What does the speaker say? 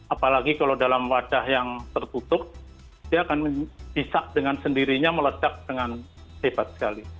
apalagi kalau dalam wadah yang tertutup dia akan bisa dengan sendirinya meledak dengan hebat sekali